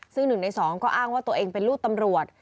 ซึ่ง๑ใน๒ก็อ้างว่าตัวเองเป็นลูกตำรวจ